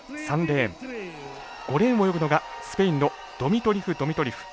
５レーンを泳ぐのがスペインのドミトリフドミトリフ。